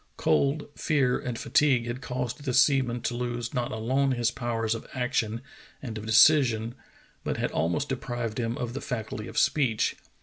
Cold, fear, and fatigue had caused the seaman to lose not alone his power of action and of de cision, but had almost deprived him of the faculty of speech.